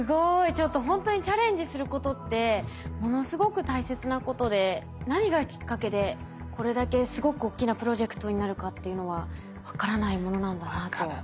ちょっとほんとにチャレンジすることってものすごく大切なことで何がきっかけでこれだけすごく大きなプロジェクトになるかっていうのは分からないものなんだなと思いました。